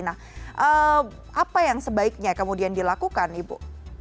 nah apa yang sebaiknya kemudian dilakukan ibu